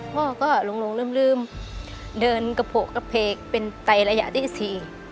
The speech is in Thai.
พ่อก็หลงลืมเดินกระโพกกระเพกเป็นไตระยะที่สี่